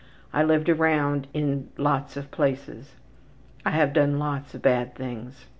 I lived around in lots of places. I have done lots of bad things.